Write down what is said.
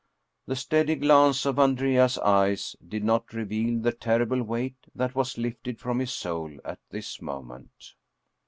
The steady glance of Andrea's eyes did ' not reveal Lie terrible weight that was lifted from his soul at this moment.